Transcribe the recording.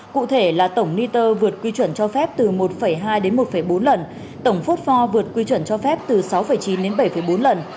cụ thể là tổng niter vượt quy chuẩn cho phép từ một hai đến một bốn lần tổng phốt pho vượt quy chuẩn cho phép từ sáu chín đến bảy bốn lần